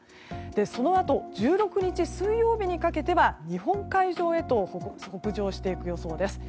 そのあと１６日水曜日にかけては日本海上へと北上していく予想です。